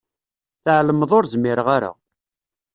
Tεelmeḍ ur zmireɣ ara.